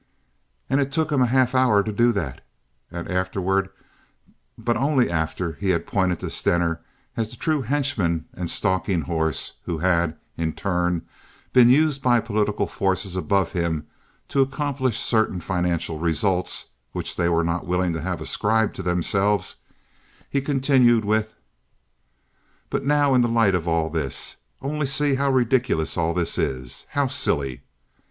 And it took him a half hour to do that. And afterward but only after he had pointed to Stener as the true henchman and stalking horse, who had, in turn, been used by political forces above him to accomplish certain financial results, which they were not willing to have ascribed to themselves, he continued with: "But now, in the light of all this, only see how ridiculous all this is! How silly!